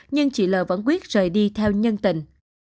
nhưng chị l vẫn quyết rời đi theo nhân tình